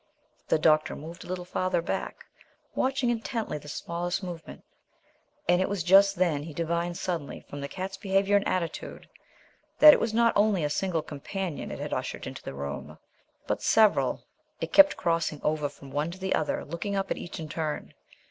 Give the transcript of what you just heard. The doctor moved a little farther back, watching intently the smallest movement, and it was just then he divined suddenly from the cat's behaviour and attitude that it was not only a single companion it had ushered into the room, but several. It kept crossing over from one to the other, looking up at each in turn.